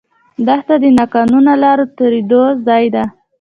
دښته د ناقانونه لارو تېرېدو ځای ده.